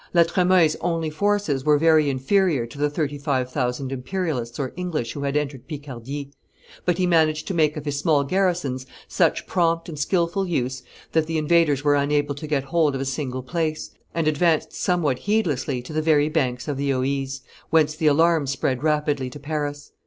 La Tremoille's only forces were very inferior to the thirty five thousand Imperialists or English who had entered Picardy; but he managed to make of his small garrisons such prompt and skilful use that the invaders were unable to get hold of a single place, and advanced somewhat heedlessly to the very banks of the Oise, whence the alarm spread rapidly to Paris.